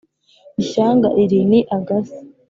ishyanga iri ni agasi